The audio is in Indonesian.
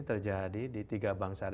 terjadi di tiga bangsa